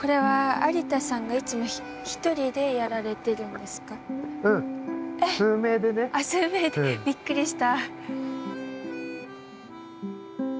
あっ数名でびっくりした。